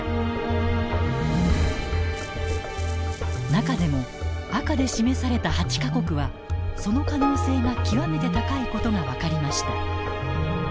中でも赤で示された８か国はその可能性が極めて高いことが分かりました。